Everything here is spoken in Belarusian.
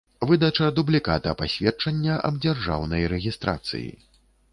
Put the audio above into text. Выдача дублiката пасведчання аб дзяржаўнай рэгiстрацыi